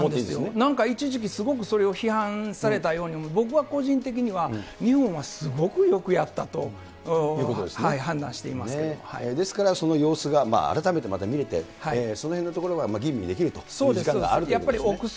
なんか一時期、それをすごく批判されたように、僕は個人的には、日本はすごくよですから、その様子が改めてまた見れて、そのへんのところは吟味できるという、時間があるということです